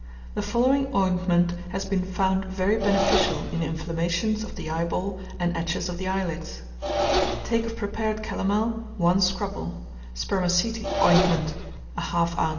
The following ointment has been found very beneficial in inflammations of the eyeball and edges of the eyelids: Take of prepared calomel, 1 scruple; spermaceti ointment, 1/2 oz.